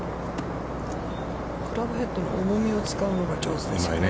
クラブヘッドの重みを使うのが上手ですよね。